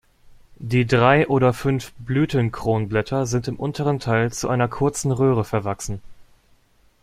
Die drei oder fünf Blütenkronblätter sind im unteren Teil zu einer kurzen Röhre verwachsen.